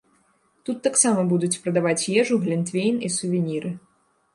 Тут таксама будуць прадаваць ежу, глінтвейн і сувеніры.